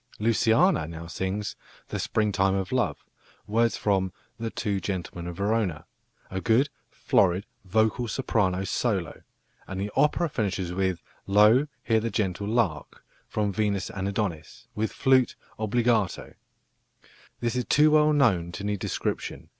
Luciana now sings "The springtime of love," words from The Two Gentlemen of Verona, a good florid vocal soprano solo; and the opera finishes with "Lo, here the gentle lark," from Venus and Adonis, with flute obbligato. This is too well known to need description.